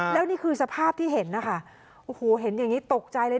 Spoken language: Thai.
แล้วนี่คือสภาพที่เห็นนะคะโอ้โหเห็นอย่างนี้ตกใจเลย